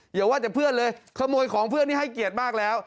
อย่าว่าแต่เพื่อนเลยขโมยของเพื่อนนี่ให้เกียรติมากแล้ว